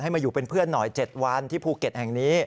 มาอยู่เป็นเพื่อนหน่อย๗วันที่ภูเก็ตแห่งนี้